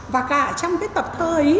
và cả trong cái tập thơ ấy